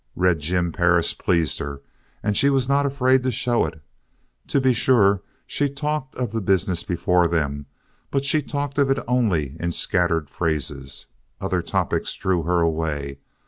Red Jim Perris pleased her, and she was not afraid to show it. To be sure, she talked of the business before them, but she talked of it only in scattered phrases. Other topics drew her away.